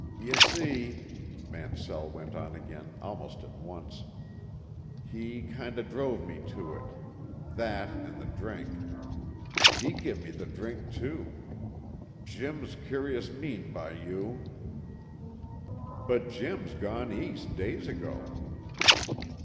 "Y' see," Mansell went on again almost at once, "he kind o' drove me to it. That an' the drink. He give me the drink too. Jim's cur'us mean by you." "But Jim's gone east days ago."